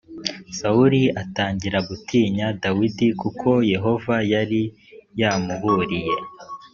sawuli atangira gutinya dawidi kuko yehova yari yamuburiye